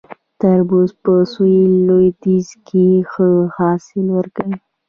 تربوز په سویل لویدیځ کې ښه حاصل ورکوي